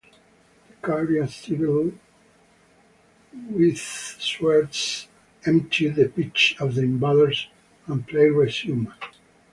The Guardia Civil with swords emptied the pitch of the invaders and play resumed.